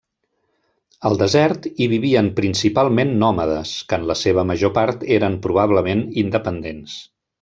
Al desert hi vivien principalment nòmades, que en la seva major part eren probablement independents.